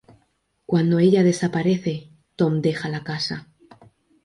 Cuando ella desaparece, Tom deja la casa.